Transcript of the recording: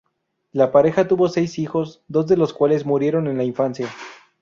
La pareja tuvo seis hijos, dos de los cuales murieron en la infancia.